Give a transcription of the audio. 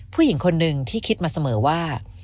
ผู้หญิงคนหนึ่งที่คิดมาเสมอว่า